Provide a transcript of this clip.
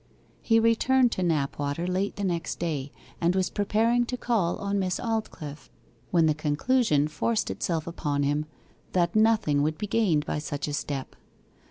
He returned to Knapwater late the next day, and was preparing to call on Miss Aldclyffe, when the conclusion forced itself upon him that nothing would be gained by such a step.